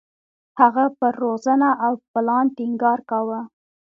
هغه پر روزنه او پلان ټینګار کاوه.